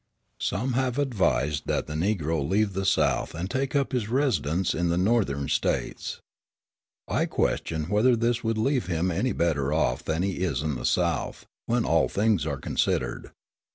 Some have advised that the Negro leave the South and take up his residence in the Northern States. I question whether this would leave him any better off than he is in the South, when all things are considered.